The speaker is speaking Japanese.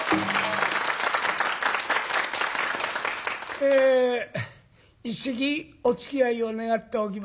え一席おつきあいを願っておきます。